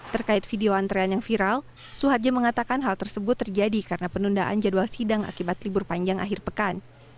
terkait video antrean yang viral suharja mengatakan hal tersebut terjadi karena penundaan jadwal sidang akibat libur panjang akhir pekan